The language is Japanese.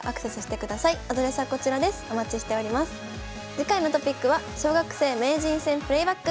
次回のトピックは「小学生名人戦プレイバック」。